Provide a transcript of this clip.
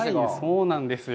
そうなんですよ。